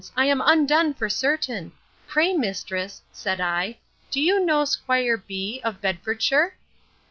I am undone for certain!—Pray, mistress, said I, do you know 'Squire B——, of Bedfordshire?